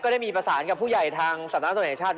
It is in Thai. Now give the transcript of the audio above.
ได้มีประสานกับผู้ใหญ่ทางสำนักส่วนแห่งชาติ